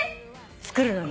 作るのに。